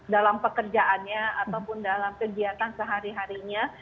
dalam pekerjaannya ataupun dalam kegiatan sehari harinya